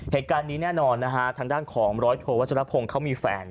เหตุการณ์นี้แน่นอนนะฮะทางด้านของร้อยโทวัชรพงศ์เขามีแฟน